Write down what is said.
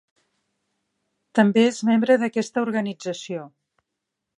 També és membre d"aquesta organització.